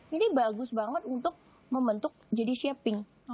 jadi bagus banget untuk membentuk jadi shaping